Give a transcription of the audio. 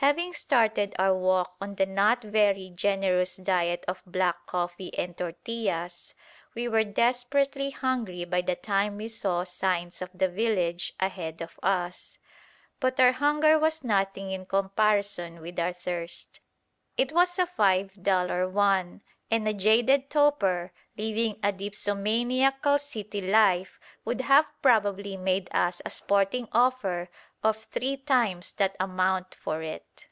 Having started our walk on the not very generous diet of black coffee and tortillas, we were desperately hungry by the time we saw signs of the village ahead of us. But our hunger was nothing in comparison with our thirst. It was a five dollar one, and a jaded toper living a dipsomaniacal city life would have probably made us a "sporting offer" of three times that amount for it.